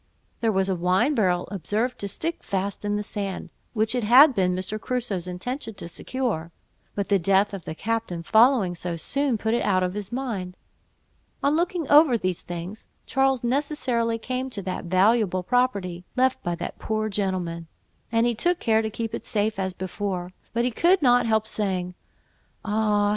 There was a wine barrel observed to stick fast in the sand, which it had been Mr. Crusoe's intention to secure; but the death of the captain following so soon, put it out of his mind. On looking over these things, Charles necessarily came to that valuable property, left by that poor gentleman, and he took care to keep it safe as before; but he could not help saying—"Ah!